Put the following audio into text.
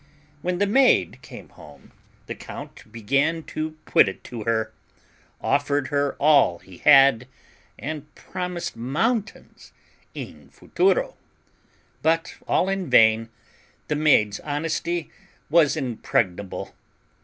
When the maid came home the count began to put it to her; offered her all he had, and promised mountains in futuro; but all in vain the maid's honesty was impregnable.